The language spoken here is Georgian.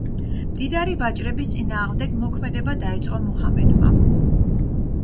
მდიდარი ვაჭრების წინააღმდეგ მოქმედება დაიწყო მუჰამედმა.